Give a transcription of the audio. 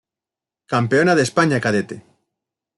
Campeona de España Cadete.